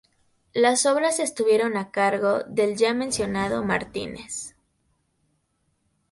Las obras estuvieron a cargo del ya mencionado Martínez.